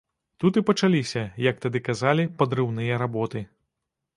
Тут і пачаліся, як тады казалі, падрыўныя работы.